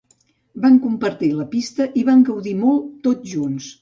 Van compartir la pista i van gaudir molt tots junts.